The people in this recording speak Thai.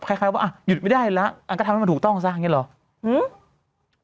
คล้ายว่าอ่ะหยุดไม่ได้แล้วก็ทำให้มันถูกต้องซะอย่างนี้หรอ